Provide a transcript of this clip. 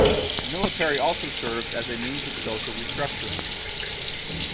The military also serves as a means of social restructuring.